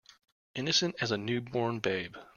Innocent as a new born babe.